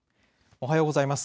おはようございます。